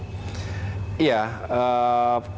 ya kalau saya lihat itu